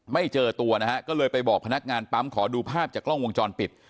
ไม่เจอตัวนะฮะก็เลยไปบอกพนักงานปั๊มขอดูภาพจากกล้องวงจรปิด